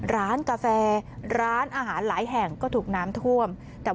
ร้านกาแฟร้านอาหารหลายแห่งก็ถูกน้ำท่วม